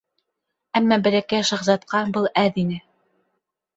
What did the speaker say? Әммә Бәләкәй шаһзатҡа был әҙ ине.